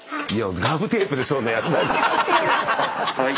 ガムテープでそんなやんない！